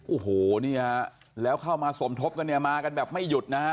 อุ้โหแล้วเข้ามาสมทบกันเนี่ยมากันแบบไม่หยุดนะครับ